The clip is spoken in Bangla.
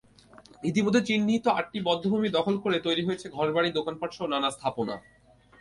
ইতিমধ্যে চিহ্নিত আটটি বধ্যভূমি দখল করে তৈরি হয়েছে ঘরবাড়ি, দোকানপাটসহ নানা স্থাপনা।